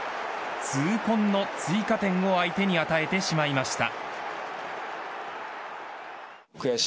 痛恨の追加点を相手に与えてしまいました。